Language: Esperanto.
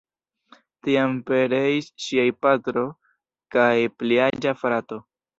Tiam pereis ŝiaj patro kaj pliaĝa frato.